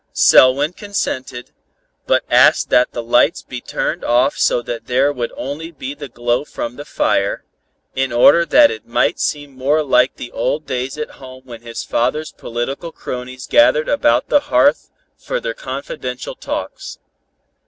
Selwyn consented, but asked that the lights be turned off so that there would be only the glow from the fire, in order that it might seem more like the old days at home when his father's political cronies gathered about the hearth for their confidential talks.